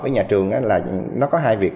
với nhà trường là nó có hai việc